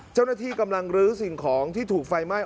เจ้าหน้าที่กำลังลื้อสิ่งของที่ถูกไฟไหม้